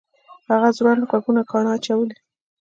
هغه ځوړند غوږونه کاڼه اچولي